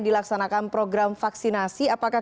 dilaksanakan program vaksinasi apakah